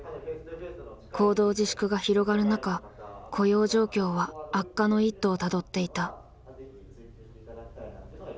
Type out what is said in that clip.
行動自粛が広がる中雇用状況は悪化の一途をたどっていた。